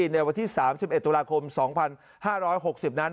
ในวันที่๓๑ตุลาคม๒๕๖๐นั้น